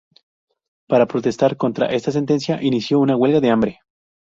Para protestar contra esta sentencia, inició una huelga de hambre.